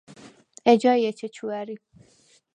ეჯაი̄ ეჩეჩუ ა̈რი.